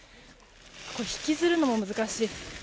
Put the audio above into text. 引きずるのも難しい。